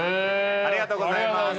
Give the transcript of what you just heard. ありがとうございます。